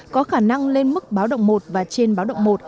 có khả năng lên mức báo động một và trên báo động một